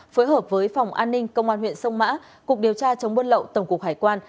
phối hợp với phòng an ninh công an huyện sông mã cục điều tra chống buôn lậu tổng cục hải quan